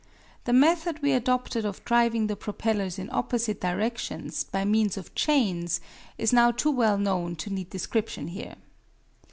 The method we adopted of driving the propellers in opposite directions by means of chains is now too well known to need description here.